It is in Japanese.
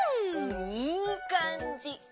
いいかんじ！